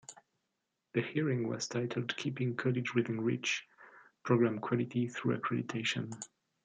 The hearing was titled Keeping College Within Reach: Program Quality through Accreditation.